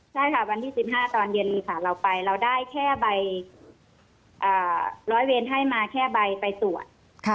ใช่ค่ะวันที่๑๕ตอนเย็นค่ะเราไปเราได้แค่ใบร้อยเวรให้มาแค่ใบไปตรวจ